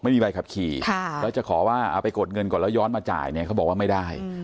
ไม่มีใบขับขี่แล้วจะขอว่าเอาไปกดเงินก่อนแล้วย้อนมาจ่ายเนี่ยเขาบอกว่าไม่ได้